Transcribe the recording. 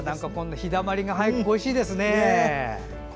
日だまりが恋しいですね。